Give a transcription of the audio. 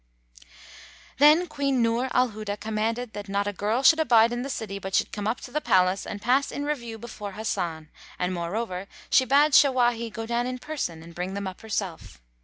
Then Queen Nur al Huda commanded that not a girl should abide in the city but should come up to the palace and pass in review before Hasan and moreover she bade Shawahi go down in person and bring them up herself.